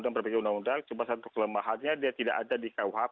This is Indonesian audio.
berbagai undang undang cuma satu kelemahannya dia tidak ada di kuhp